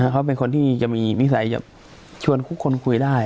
เขาเป็นคนที่จะมีนิสัยจะชวนทุกคนคุยได้